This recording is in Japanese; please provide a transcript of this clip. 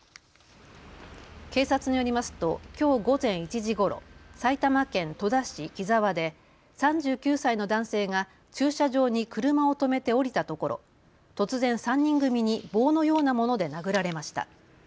警察によりますときょう午前１時ごろ、埼玉県戸田市喜沢で３９歳の男性が駐車場に車を止めて降りたところ突然、３人組に棒のようなもので殴られました。